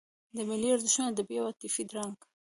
د ملي ارزښتونو ادبي او عاطفي رنګ.